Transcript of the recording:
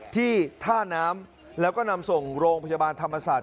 ที่ท่าน้ำแล้วก็นำส่งโรงพยาบาลธรรมศาสตร์